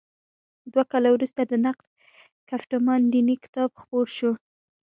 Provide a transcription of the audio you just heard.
دوه کاله وروسته د نقد ګفتمان دیني کتاب خپور شو.